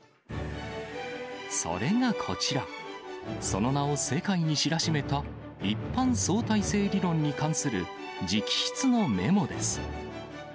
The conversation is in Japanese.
それがこちら、その名を世界に知らしめた、一般相対性理論に関する直筆のメモです。